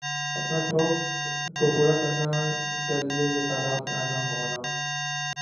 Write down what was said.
اپنا شوق کوپورا کرنا کا لئے یِہ تالاب میں آنا ہونا